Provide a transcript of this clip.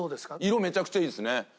色めちゃくちゃいいですね。